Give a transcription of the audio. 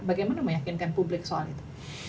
bagaimana meyakinkan publik soal itu